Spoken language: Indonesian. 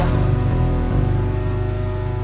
saya tugasnya cuma narik uang diuran aja